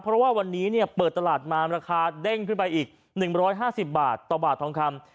เพราะว่าวันนี้เปิดตลาดมาราคาเด้งขึ้นไปอีก๑๕๐บาทต่อบาททองคำ